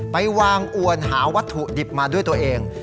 ไปวางอวนหาวัตถุดิบมาด้วยตัวเอง